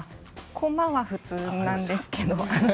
コマは普通なんですけれど。